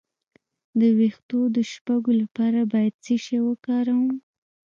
د ویښتو د شپږو لپاره باید څه شی وکاروم؟